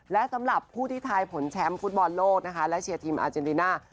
และสำหรับผู้ที่ทายผลแชมป์ฟุตบอลโลกนะคะและเชียร์ทีมอาเจนริน่า